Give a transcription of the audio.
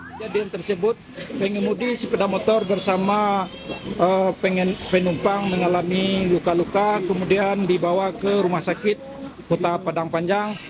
kejadian tersebut pengemudi sepeda motor bersama penumpang mengalami luka luka kemudian dibawa ke rumah sakit kota padang panjang